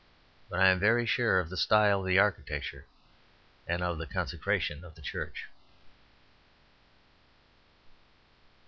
But I am very sure of the style of the architecture, and of the consecration of the church.